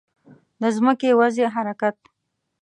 د ځمکې وضعي حرکت